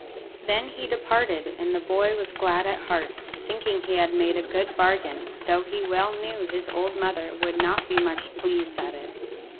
Then he departed, and the boy was glad at heart, thinking he had made a good bargain, though he well knew his old mother would not be much pleased at it.